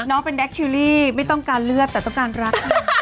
น้องเป็นแก๊คชิลลี่ไม่ต้องการเลือดแต่ต้องการรัก